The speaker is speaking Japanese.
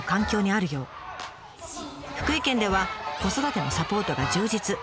福井県では子育てのサポートが充実。